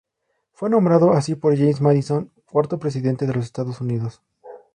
Fue nombrado así por James Madison, cuarto Presidente de los Estados Unidos.